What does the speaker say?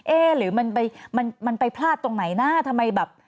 หรือมันไปพลาดตรงไหนนะทำไมแบบ